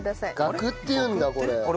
ガクっていうんだこれ。